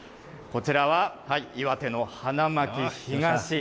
こちらは岩手の花巻東。